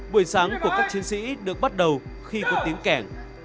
buổi sáng của các chiến sĩ được bắt đầu khi có tiếng kẻng